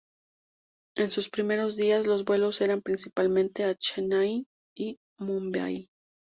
En sus primeros días, los vuelos eran principalmente a Chennai y Mumbai.